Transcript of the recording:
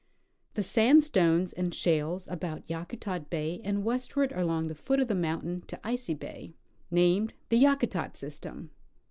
The sandstones and shales about Yakutat bay and west ward along the foot of the mountain to Icy bay, named the Ya kutat system.